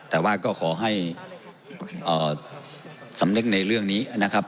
แต่ว่าก็ขอให้สำนึกในเรื่องนี้นะครับ